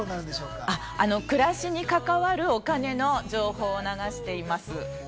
暮らしに関わるお金の情報を流しています。